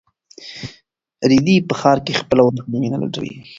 رېدی په ښار کې خپله ورکه مینه لټوي.